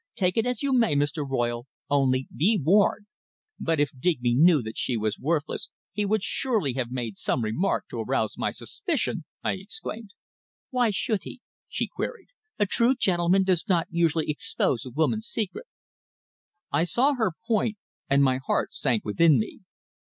"Take it as you may, Mr. Royle, only be warned." "But if Digby knew that she was worthless, he would surely have made some remark to arouse my suspicion?" I exclaimed. "Why should he?" she queried. "A true gentleman does not usually expose a woman's secret." I saw her point, and my heart sank within me.